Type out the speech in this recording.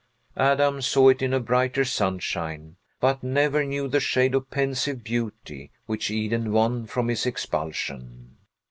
Adam saw it in a brighter sunshine, but never knew the shade of Pensive beauty which Eden won from his expulsion.